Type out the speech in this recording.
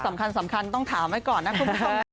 ตัวเลขสำคัญต้องถามให้ก่อนนะคุณผู้ชม